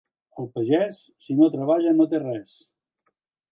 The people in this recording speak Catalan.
El pagès, si no treballa, no té res.